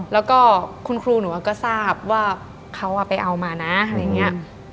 แล้วก็คุณครูหนูก็ทราบว่าเขาไปเอามานะอะไรอย่างนี้